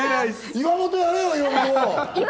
岩本やれよ、岩本！